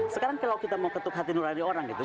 sekarang kalau kita mau ketuk hati nurani orang gitu